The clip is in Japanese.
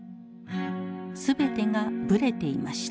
全てがぶれていました。